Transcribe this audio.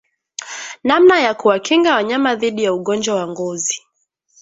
Namna ya kuwakinga wanyama dhidi ya ugonjwa wa ngozi